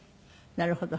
なるほど。